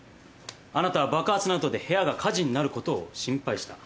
あなたは爆発のあとで部屋が火事になることを心配した。